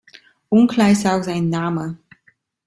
Unklar ist auch sein Name.